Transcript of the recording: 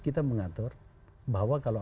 kita mengatur bahwa kalau